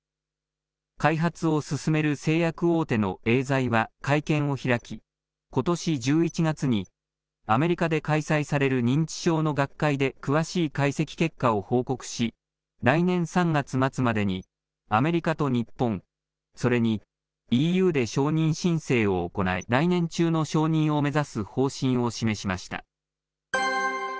開発を進める製薬大手のエーザイは会見を開き、ことし１１月にアメリカで開催される認知症の学会で詳しい解析結果を報告し、来年３月末までにアメリカと日本、それにＥＵで承認申請を行い、来年中の承認を目指す方針を示しました。